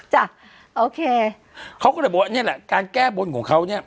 จ้ะโอเคเขาก็เลยบอกว่านี่แหละการแก้บนของเขาเนี่ย